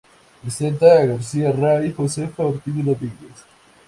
Vicenta García Rey: Josefa Ortiz de Domínguez.